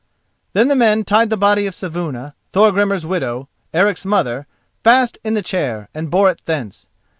Then the men tied the body of Saevuna, Thorgrimur's widow, Eric's mother, fast in the chair, and bore it thence.